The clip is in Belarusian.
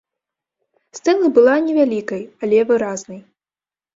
Стэла была невялікай, але выразнай.